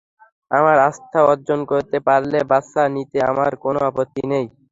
আমার আস্থা অর্জন করতে পারলে বাচ্ছা নিতে আমার কোন আপত্তি নেই।